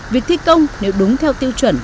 việc thi công nếu đúng theo tiêu chuẩn